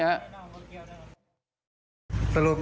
สรุปยาแปรหรือยาพาราเซตามัน